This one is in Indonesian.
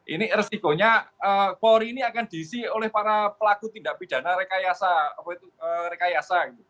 ini resikonya polri ini akan diisi oleh para pelaku tindak pidana rekayasa